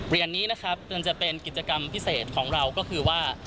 เหรียญนี้นะครับมันจะเป็นกิจกรรมพิเศษของเราก็คือว่า